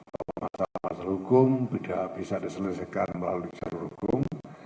bahwa masalah masalah hukum tidak bisa diselesaikan melalui jalur hukum